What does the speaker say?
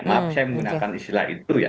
maaf saya menggunakan istilah itu ya